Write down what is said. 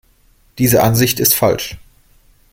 Diese Ansicht ist falsch.